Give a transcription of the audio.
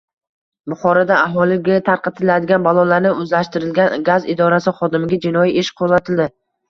Buxoroda aholiga tarqatiladigan ballonlarni o‘zlashtirgan gaz idorasi xodimiga jinoiy ish qo‘zg‘atildi